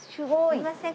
すいません